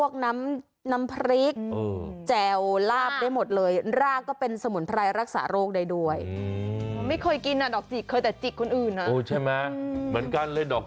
ใครจะเอาไปทำ